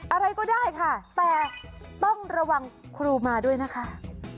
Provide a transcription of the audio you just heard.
อะไรก็ได้ค่ะแต่ต้องระวังครูมาด้วยนะคะ